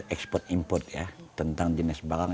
ekspor import ya tentang jenis barang